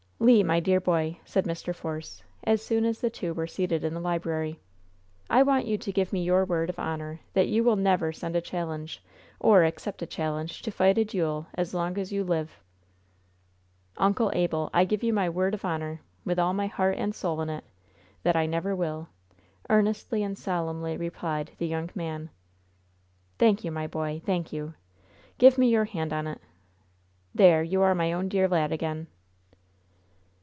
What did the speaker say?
"Le, my dear boy," said Mr. Force, as soon as the two were seated in the library, "I want you to give me your word of honor that you will never send a challenge, or accept a challenge, to fight a duel as long as you live." "Uncle Abel, I give you my word of honor, with all my heart and soul in it, that I never will," earnestly and solemnly replied the young man. "Thank you, my boy, thank you! Give me your hand on it! There, you are my own dear lad again!"